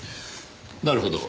なるほど。